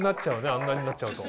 あんなになっちゃうと。